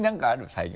最近。